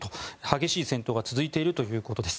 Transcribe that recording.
激しい戦闘が続いているということです。